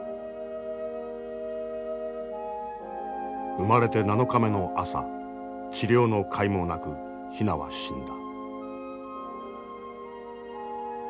生まれて７日目の朝治療のかいもなくヒナは死んだ。